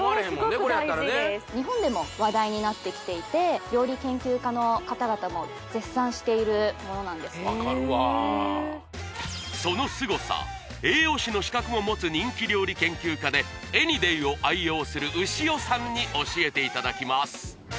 日本でも話題になってきていて料理研究家の方々も絶賛しているものなんですわかるわそのすごさ栄養士の資格も持つ人気料理研究家でＡｎｙｄａｙを愛用する牛尾さんに教えていただきます